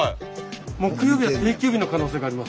木曜日は定休日の可能性があります。